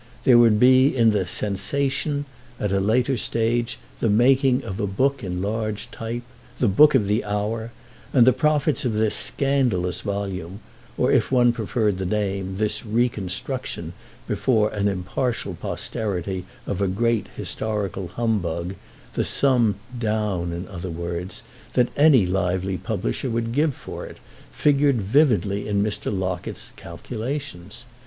There would be in the "sensation," at a later stage, the making of a book in large type—the book of the hour; and the profits of this scandalous volume or, if one preferred the name, this reconstruction, before an impartial posterity, of a great historical humbug, the sum "down," in other words, that any lively publisher would give for it, figured vividly in Mr. Locket's calculations.